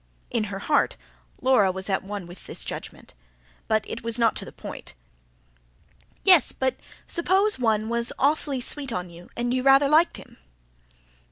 In her heart Laura was at one with this judgment; but it was not to the point. "Yes, but s'pose one was awfully sweet on you and you rather liked him?"